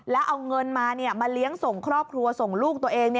แล้วเอาเงินมามาเลี้ยงส่งครอบครัวส่งลูกตัวเอง